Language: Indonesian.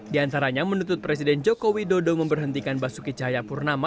di antaranya menuntut presiden jokowi dodo memberhentikan basuki jaya purnama